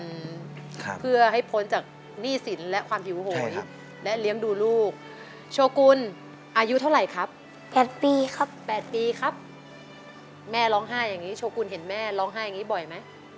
จะเห็นแม่ร้องไห้อย่างนี้บ่อยไหม